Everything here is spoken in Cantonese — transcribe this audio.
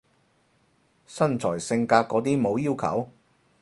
身材性格嗰啲冇要求？